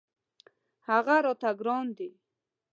هغه راته ګران دی.